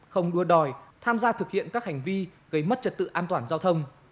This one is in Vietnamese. không đua đòi tham gia thực hiện các hành vi gây mất trật tự an toàn giao thông